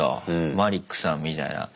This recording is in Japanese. マリックさんみたいな。